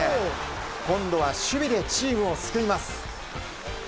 今度は守備でチームを救います。